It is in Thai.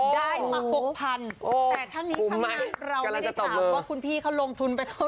ได้มา๖๐๐๐แต่ทั้งนี้ทั้งนั้นเราไม่ได้ถามว่าคุณพี่เขาลงทุนไปเท่าไ